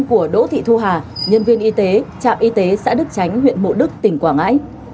của đỗ thị thu hà nhân viên y tế trạm y tế xã đức tránh huyện mộ đức tỉnh quảng ngãi